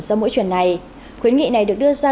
do mũi truyền này khuyến nghị này được đưa ra